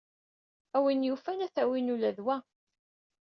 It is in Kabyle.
A win yufan, ad tawim ula d wa.